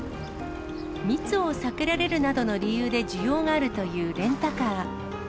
密を避けられるなどの理由で需要があるというレンタカー。